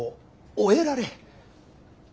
「終えられ」？